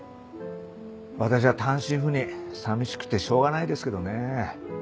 私は単身赴任寂しくてしょうがないですけどねぇ。